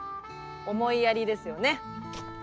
思いやりですよね。